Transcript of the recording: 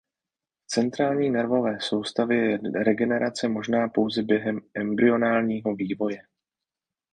V centrální nervové soustavě je regenerace možná pouze během embryonálního vývoje.